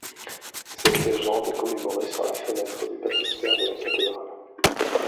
Cette légende est commémorée sur la fenêtre du baptistère de la cathédrale.